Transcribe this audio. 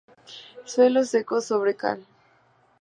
Suelos secos sobre cal.